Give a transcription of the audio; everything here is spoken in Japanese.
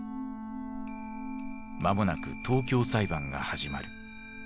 間もなく東京裁判が始まる。